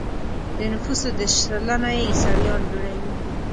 د نفوسو دېرش سلنه يې عیسویان جوړوي.